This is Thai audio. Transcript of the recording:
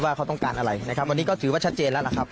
ว่าเขาต้องการอะไรนะครับวันนี้ก็ถือว่าชัดเจนแล้วล่ะครับ